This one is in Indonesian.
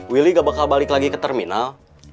willy gak bakal balik lagi ke terminal